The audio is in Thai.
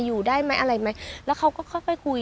อยู่ได้ไหมอะไรไหมแล้วเขาก็ค่อยค่อยคุย